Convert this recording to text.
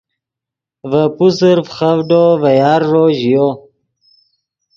ڤے پوسر فیخڤڈو ڤے یارݱو ژیو